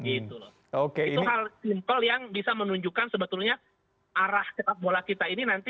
itu hal simple yang bisa menunjukkan sebetulnya arah sepak bola kita ini nanti